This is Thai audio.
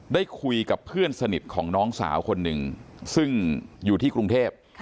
ได้คุยกับเพื่อนสนิทของน้องสาวคนหนึ่งซึ่งอยู่ที่กรุงเทพ